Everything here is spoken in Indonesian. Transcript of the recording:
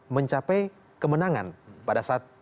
mencapai kemenangan pada saat